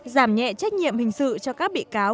giảm nhẹ trách nhiệm hình sự cho các bị cáo